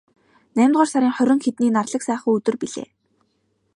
Наймдугаар сарын хорин хэдний нарлаг сайхан өдөр билээ.